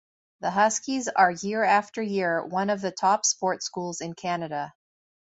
The Huskies are year after year one of the top sport schools in Canada.